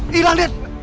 deh ilang liat